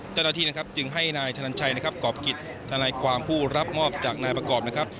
เจ้าหน้าที่นะครับจึงให้นายธนันชัยนะครับกรอบกิจทนายความผู้รับมอบจากนายประกอบนะครับ